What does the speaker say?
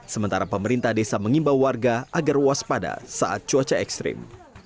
sementara pemerintah desa mengimbau warga agar waspada saat cuaca ekstrim